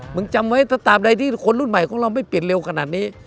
จำไว้ถ้าตามใดที่คนรุ่นใหม่ของเราไม่เปลี่ยนเร็วขนาดนี้